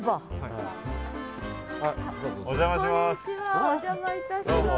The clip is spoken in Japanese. お邪魔いたします。